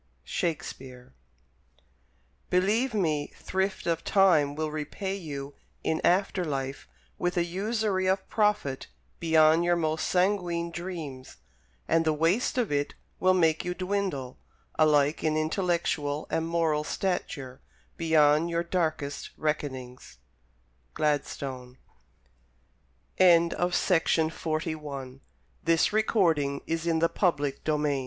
Shakespeare Believe me, thrift of time will repay you in after life with a usury of profit beyond your most sanguine dreams, and the waste of it will make you dwindle, alike in intellectual and moral stature, beyond your darkest reckonings. Gladstone LAKE SUPERIOR Before turning our steps westward from this i